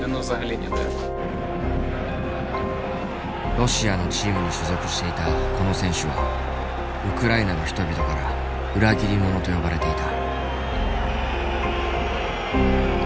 ロシアのチームに所属していたこの選手はウクライナの人々から裏切り者と呼ばれていた。